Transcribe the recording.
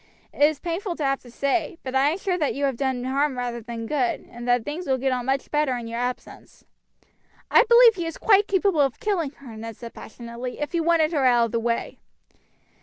It is painful to have to say, but I am sure that you have done harm rather than good, and that things will get on much better in your absence." "I believe he is quite capable of killing her," Ned said passionately, "if he wanted her out of the way."